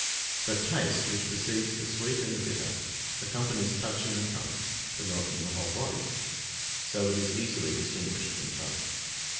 But taste, which perceives the sweet and the bitter, accompanies touch in the tongue, but not in the whole body; so it is easily distinguished from touch.